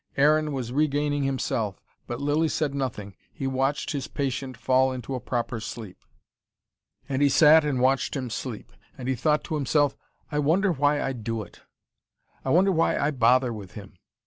Aaron was regaining himself. But Lilly said nothing. He watched his patient fall into a proper sleep. And he sat and watched him sleep. And he thought to himself: "I wonder why I do it. I wonder why I bother with him....